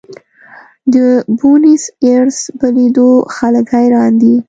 د بونیس ایرس په لیدو خلک حیران دي.